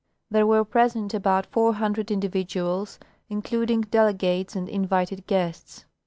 There were present about four hundred individuals, including delegates and invited guests.